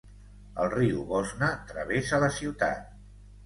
El riu Bosna travessa la ciutat.